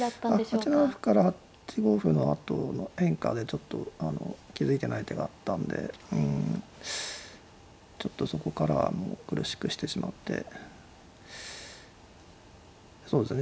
８七歩から８五歩のあとの変化でちょっと気付いてない手があったんでうんちょっとそこから苦しくしてしまってそうですね